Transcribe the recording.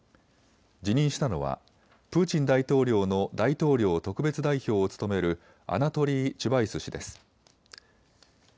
辞任したのはプーチン大統領の大統領特別代表を務めるアナトリー・チュバイス氏です。